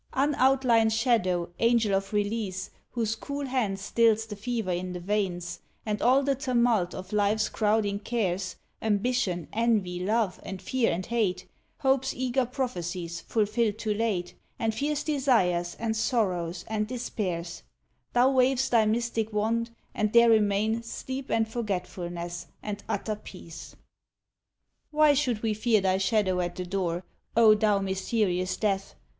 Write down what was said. Unoutlined shadow, angel of release, Whose cool hand stills the fever in the veins, And all the tumult of life's crowding cares Ambition, envy, love and fear and hate, Hope's eager prophecies fulfilled too late, And fierce desires, and sorrows, and despairs Thou wav'st thy mystic wand, and there remain Sleep and forgetfulness, and utter peace. Why should we fear thy shadow at the door, Oh thou mysterious Death?